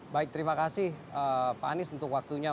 baik terima kasih pak anies untuk waktunya